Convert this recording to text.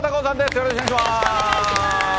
よろしくお願いします。